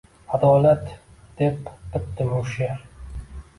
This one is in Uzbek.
Adolat deb bitdimu she’r